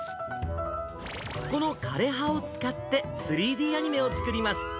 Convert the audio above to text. この枯れ葉を使って、３Ｄアニメを作ります。